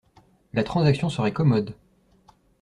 La transaction serait commode.